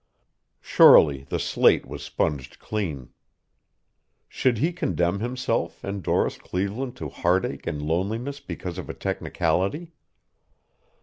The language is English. Surely the slate was sponged clean. Should he condemn himself and Doris Cleveland to heartache and loneliness because of a technicality?